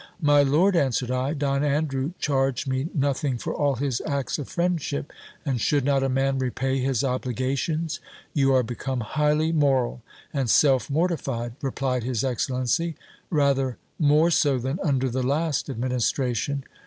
My lord, answered I, Don Andrew charged me nothing for all his acts of friendship, and should not a man repay his obligations ? You are become highly moral and self mortified, replied his excellency ; rather more so than under the last administration.